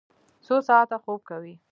څو ساعته خوب کوئ؟